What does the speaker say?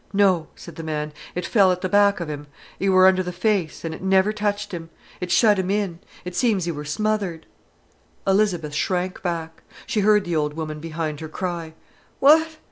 "No," said the man, "it fell at th' back of 'im. 'E wor under th' face, an' it niver touched 'im. It shut 'im in. It seems 'e wor smothered." Elizabeth shrank back. She heard the old woman behind her cry: "What?